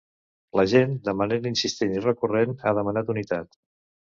La gent, de manera insistent i recurrent, ha demanat unitat.